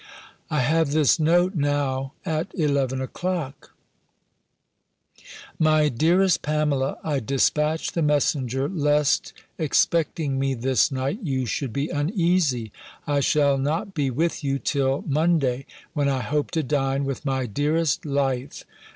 I have this note now at eleven o'clock: "MY DEAREST PAMELA, "I dispatch the messenger, lest, expecting me this night, you should be uneasy. I shall not be with you till Monday, when I hope to dine with my dearest life.